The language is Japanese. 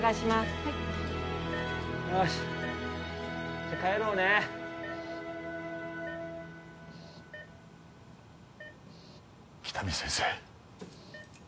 はいよしじゃ帰ろうね喜多見先生